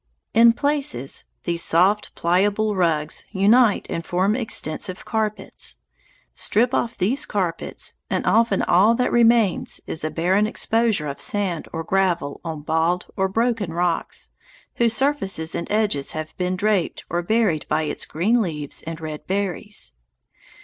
In places these soft, pliable rugs unite and form extensive carpets. Strip off these carpets and often all that remains is a barren exposure of sand or gravel on bald or broken rocks, whose surfaces and edges have been draped or buried by its green leaves and red berries.